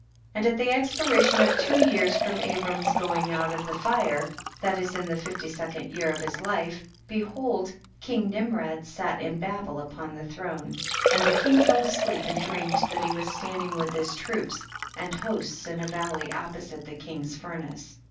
45. And at the expiration of two years from Abram's going out of the j fire, that is in the fifty second year ! of his life, behold king Nimrod sat in Babel upon the throne, and the I king fell asleep and dreamed that he jwas standing with his troops and hosts in a valley opposite the king's I furnace.